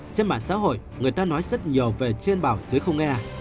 trên mạng xã hội người ta nói rất nhiều về trên bảng dưới không nghe